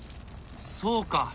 そうか。